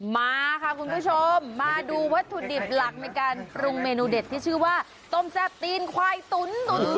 มาค่ะคุณผู้ชมมาดูวัตถุดิบหลักในการปรุงเมนูเด็ดที่ชื่อว่าต้มแซ่บตีนควายตุ๋นตุ๋น